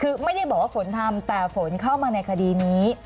คือไม่ได้บอกว่าฝนทำแต่ฝนเข้ามาในคดีนี้